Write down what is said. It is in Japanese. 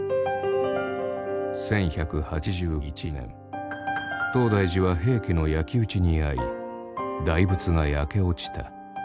１１８１年東大寺は平家の焼き打ちに遭い大仏が焼け落ちた。